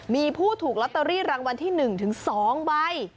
มีผู้ถูกลอตเตอรี่รางวัลที่หนึ่งถึงสองใบ